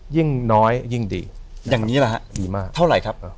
ยิ่งน้อยยิ่งดีอย่างนี้แหละฮะดีมากเท่าไหร่ครับ